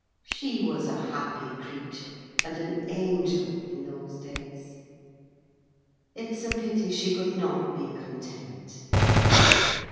She was a happy creature, and an angel, in those days. It's a pity she could not be content.